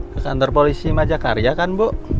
ke kantor polisi majakarya kan bu